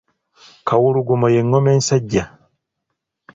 Kawulugumo ye ngoma ensajja .